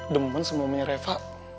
demen sama umurnya reva